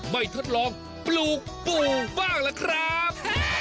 ไม่ทดลองปลูกปลูกบ้างแหละครับ